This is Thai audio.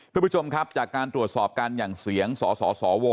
คุณผู้ชมครับจากการตรวจสอบการหยั่งเสียงสสสว